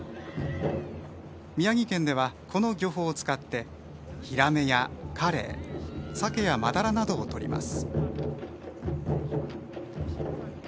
宮城県では、この漁法を使ってヒラメやカレイサケやマダラなどをとります。